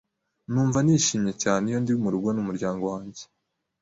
Numva nishimye cyane iyo ndi murugo n'umuryango wanjye.